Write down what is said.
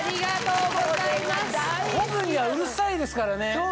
昆布にはうるさいですからね。